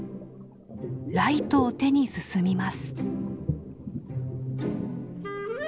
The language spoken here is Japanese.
ライトを手に進みます。